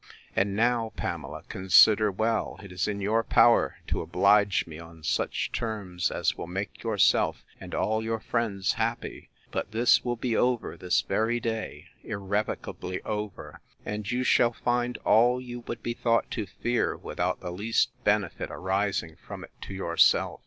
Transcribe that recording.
'And now, Pamela, consider well, it is in your power to oblige me on such terms, as will make yourself, and all your friends, happy: but this will be over this very day, irrevocably over; and you shall find all you would be thought to fear, without the least benefit arising from it to yourself.